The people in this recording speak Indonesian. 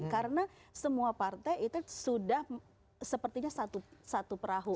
karena semua partai itu sudah sepertinya satu perahu